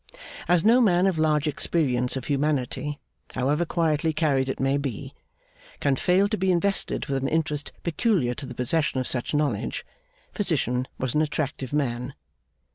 As no man of large experience of humanity, however quietly carried it may be, can fail to be invested with an interest peculiar to the possession of such knowledge, Physician was an attractive man.